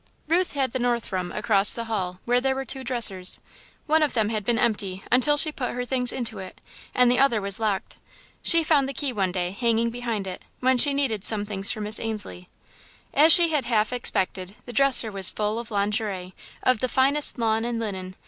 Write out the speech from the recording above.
Ruth had the north room, across the hall, where there were two dressers. One of them had been empty, until she put her things into it, and the other was locked. She found the key, one day, hanging behind it, when she needed some things for Miss Ainslie. As she had half expected, the dresser was full of lingerie, of the finest lawn and linen.